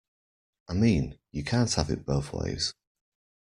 I mean, you can't have it both ways.